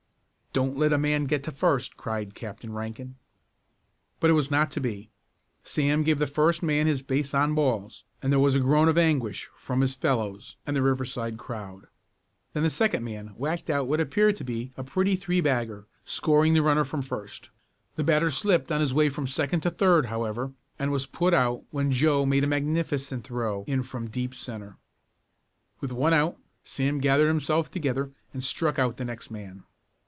"Don't let a man get to first!" cried Captain Rankin. But it was not to be. Sam gave the first man his base on balls and there was a groan of anguish from his fellows and the Riverside crowd. Then the second man whacked out what appeared to be a pretty three bagger, scoring the runner from first. The batter slipped on his way from second to third, however, and was put out when Joe made a magnificent throw in from deep centre. With one out Sam gathered himself together and struck out the next man.